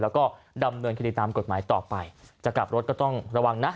แล้วก็ดำเนินคดีตามกฎหมายต่อไปจะกลับรถก็ต้องระวังนะ